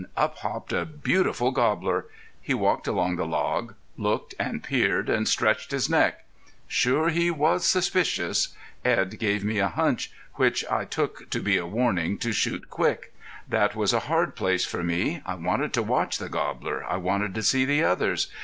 up hopped a beautiful gobbler. He walked along the log, looked and peered, and stretched his neck. Sure he was suspicious. Edd gave me a hunch, which I took to be a warning to shoot quick. That was a hard place for me. I wanted to watch the gobbler. I wanted to see the others.